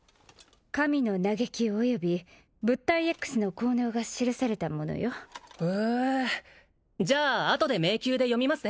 神の嘆きおよび物体Ｘの効能が記されたものよへえじゃああとで迷宮で読みます